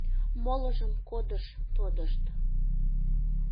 Молыжым кодыш тодышт.